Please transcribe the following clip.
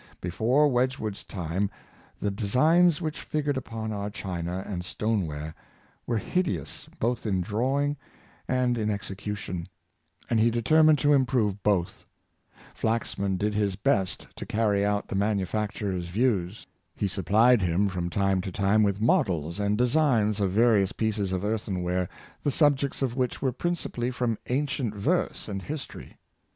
Before Wedgwood's time the designs which figured upon our china and stoneware were hideous both in drawing and 344 Fldxman's Marriao;e. ^3 execution, and he determined to improve both. Flax man did his best to carry out the manufacturer's views. He supplied him from time to time with models and designs of various pieces of earthenware, the subjects of which were principally from ancient verse and his tory.